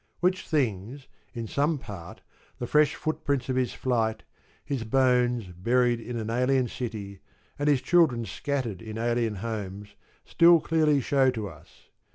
Which things, in some part, the fresh footprints of his flight, his bones buried in an alien city and his children scattered in alien homes, still clearly shew to us.